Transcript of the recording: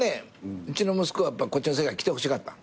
うちの息子はやっぱこっちの世界来てほしかった。